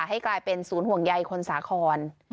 ให้กลายเป็นศูนย์ห่วงใยคนสาคร